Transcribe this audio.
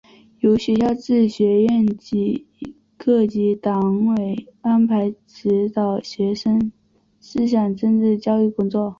由学校至学院各级党委安排指导学生思想政治教育工作。